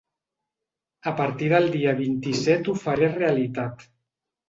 A partir del dia vint-i-set ho faré realitat.